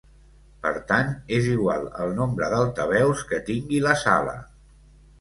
Per tant, és igual el nombre d'altaveus que tingui la sala.